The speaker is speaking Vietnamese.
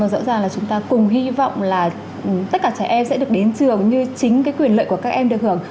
rõ ràng là chúng ta cùng hy vọng là tất cả trẻ em sẽ được đến trường như chính quyền lợi của các em được hưởng